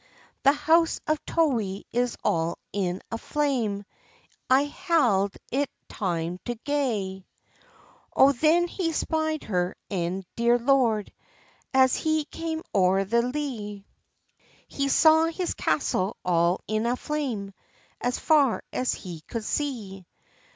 The house of Towie is all in a flame, I hald it time to gae."] Oh, then he spied her ain dear lord, As he came o'er the lea; He saw his castle all in a flame, As far as he could see.